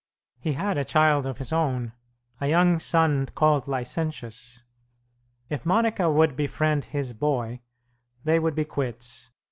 He had a child of his own, a young son called Licentius. If Monica would befriend his boy, they would be quits.